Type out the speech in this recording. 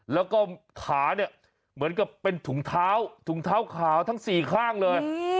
แล้วก็ขาเหมือนกับเป็นถุงเท้าขาวทั้ง๔ข้างเลย